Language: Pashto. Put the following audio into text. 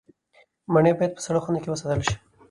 مڼې باید په سړه خونه کې وساتل شي.